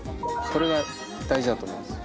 それが大事だと思います。